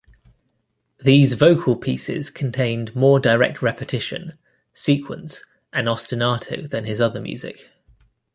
These vocal pieces contained more direct repetition, sequence and ostinato than his other music.